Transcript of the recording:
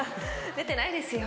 出てないですよ。